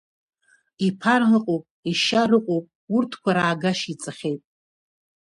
Иԥара ыҟоуп, ишьара ыҟоуп, урҭқәа раагашьа иҵахьеит…